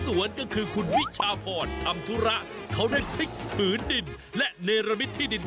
ว้าว